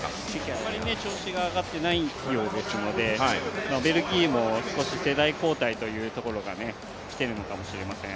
あまり調子が上がってないようですのでベルギーも少し世代交代というところがきているのかもしれません。